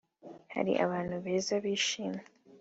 Hari abantu beza bishimye